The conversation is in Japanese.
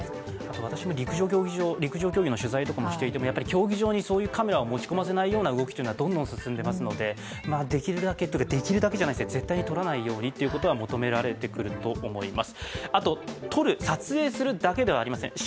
私も陸上競技の取材をしていても競技場にそういうカメラを持ち込ませないという動きもありますので絶対に撮らないようにということは求められてくると思います